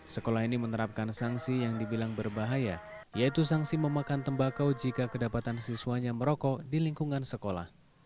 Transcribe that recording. sekolah ini menerapkan sanksi yang dibilang berbahaya yaitu sanksi memakan tembakau jika kedapatan siswanya merokok di lingkungan sekolah